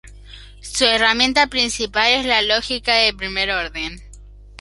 Su herramienta principal es la lógica de primer orden.